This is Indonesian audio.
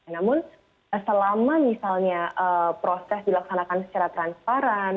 namun selama misalnya proses dilaksanakan secara transparan